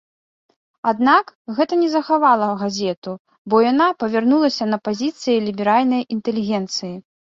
Аднак, гэта не захавала газету, бо яна павярнулася на пазіцыі ліберальнай інтэлігенцыі.